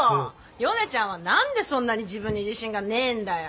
ヨネちゃんは何でそんなに自分に自信がねえんだよ？